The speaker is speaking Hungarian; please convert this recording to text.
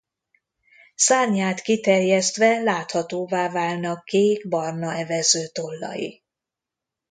Szárnyát kiterjesztve láthatóvá válnak kék-barna evezőtollai.